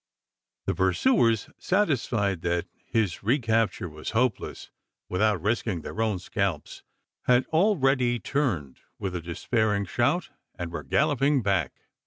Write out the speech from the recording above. The pursuers satisfied that his recapture was hopeless without risking their own scalps had already turned with a despairing shout, and were galloping back.